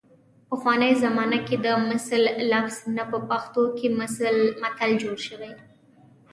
پخوانۍ زمانه کې د مثل لفظ نه په پښتو کې متل جوړ شوی